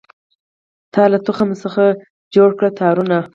تا له تخم څخه جوړکړله تارونه